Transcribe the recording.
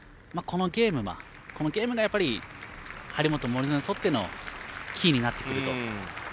このゲームがやっぱり張本、森薗にとってのキーになってくると。